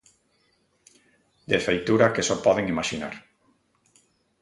De feitura que só poden imaxinar.